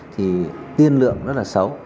thì tiên lượng rất là xấu